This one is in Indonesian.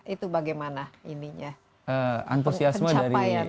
itu bagaimana pencapaiannya dan antusiasmenya